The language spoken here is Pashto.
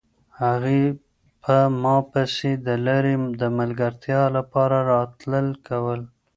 هغې په ما پسې د لارې د ملګرتیا لپاره راتلل کول.